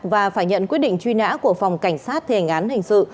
và phải nhận quyết định truy nã của phòng cảnh sát thề hình án hình sự